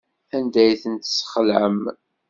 Anda ay tent-tesxelɛem?